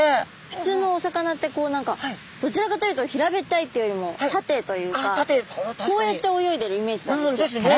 普通のお魚って何かどちらかというと平べったいっていうよりも縦というかこうやって泳いでるイメージなんですよ。ですね。